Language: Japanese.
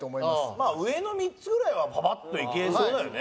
まあ上の３つぐらいはパパッといけそうだよね。